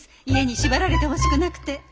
家に縛られてほしくなくて。